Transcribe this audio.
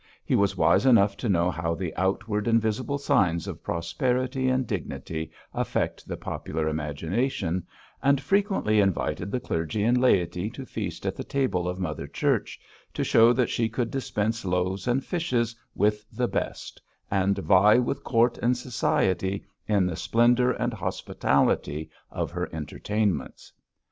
He was wise enough to know how the outward and visible signs of prosperity and dignity affect the popular imagination, and frequently invited the clergy and laity to feast at the table of Mother Church, to show that she could dispense loaves and fishes with the best, and vie with Court and Society in the splendour and hospitality of her entertainments.